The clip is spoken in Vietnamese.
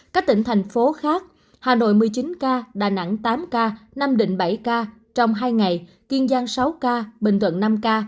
các tỉnh thành phố khác hà nội một mươi chín ca đà nẵng tám ca nam định bảy ca trong hai ngày kiên giang sáu ca bình thuận năm ca